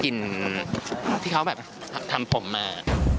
กินที่เขาทำผมมา